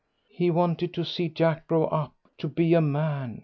"He wanted to see Jack grow up to be a man.